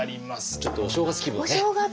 ちょっとお正月気分をね